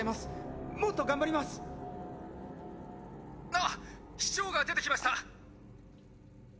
「あ！市長が出てきました！」